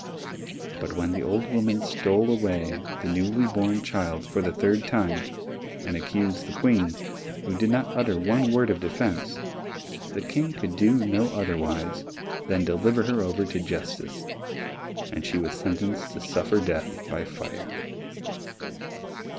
But when the old woman stole away the newly born child for the third time, and accused the Queen, who did not utter one word of defence, the King could do no otherwise than deliver her over to justice, and she was sentenced to suffer death by fire.